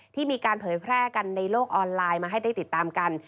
ที่มีการเผยแพร่กันในโลกออนไลน์มาให้ได้ติดตามกัน